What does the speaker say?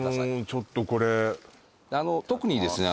ちょっとこれ特にですね